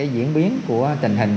diễn biến của tình hình